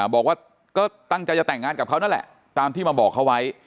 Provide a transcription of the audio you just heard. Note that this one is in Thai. บอกว่าก็ตั้งใจจะแต่งงานกับเขานั่นแหละตามที่มาบอกเขาไว้